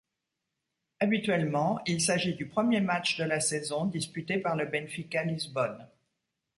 Habituellement, il s'agit du premier match de la saison disputé par le Benfica Lisbonne.